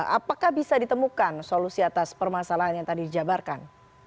apakah bisa ditemukan solusi atas permasalahan yang tadi dijabarkan